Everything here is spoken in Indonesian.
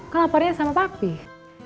kan laporannya sama papih